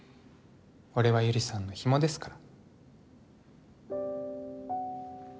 俺は百合さんのヒモですから